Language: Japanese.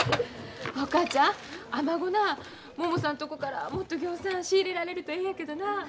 お母ちゃんアマゴなももさんとこからもっとぎょうさん仕入れられるとええんやけどな。